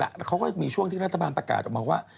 แล้วเขาก็มีช่วงที่รัฐบาลประกาศออกมาว่า